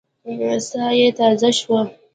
ساه يې تازه شوه.